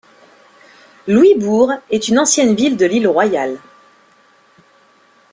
Louisbourg est une ancienne ville de l’Île Royale.